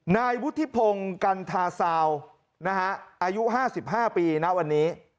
นายวุฒิพงศ์กันทาซาวนะฮะอายุ๕๕ปีนะวันนี้